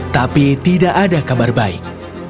tapi tidak ada kabar baik